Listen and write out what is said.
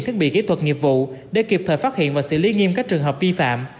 thiết bị kỹ thuật nghiệp vụ để kịp thời phát hiện và xử lý nghiêm các trường hợp vi phạm